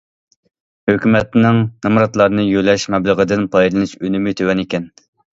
ھۆكۈمەتنىڭ نامراتلارنى يۆلەش مەبلىغىدىن پايدىلىنىش ئۈنۈمى تۆۋەن ئىكەن.